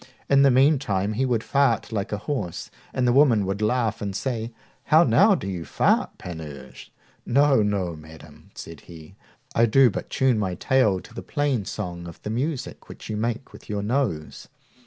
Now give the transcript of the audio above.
In the meanwhile he would fart like a horse, and the women would laugh and say, How now, do you fart, Panurge? No, no, madam, said he, I do but tune my tail to the plain song of the music which you make with your nose.